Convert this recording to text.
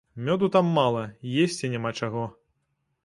Мёду там мала, есці няма чаго.